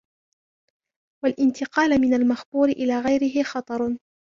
وَالِانْتِقَالَ مِنْ الْمَخْبُورِ إلَى غَيْرِهِ خَطَرٌ